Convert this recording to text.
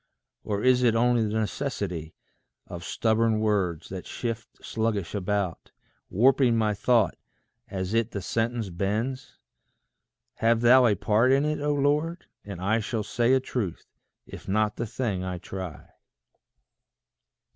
Or is it only the necessity Of stubborn words, that shift sluggish about, Warping my thought as it the sentence bends? Have thou a part in it, O Lord, and I Shall say a truth, if not the thing I try.